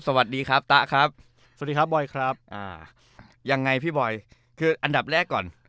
สวัสดีครับตะครับสวัสดีครับบอยครับอ่ายังไงพี่บอยคืออันดับแรกก่อน